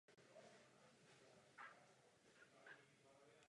Makedonie se v ní hlásí k historickému a kulturnímu dědictví.